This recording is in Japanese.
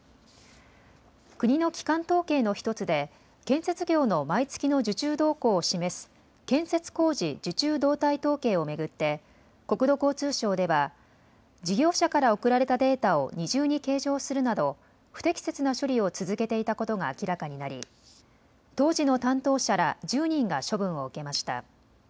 国の基幹統計の１つで建設業の毎月の受注動向を示す建設工事受注動態統計を巡って国土交通省では事業者から送られたデータを二重に計上するなど不適切な処理を続けていたことが明らかになり当時の担当者ら１０人が処分を受けました。